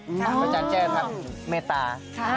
พระอาจารย์แจ้แบบเมตตา